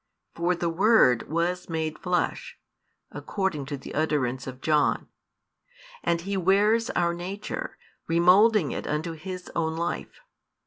For the Word was made flesh, according to the utterance of John. And He wears our nature, remoulding it unto His own Life.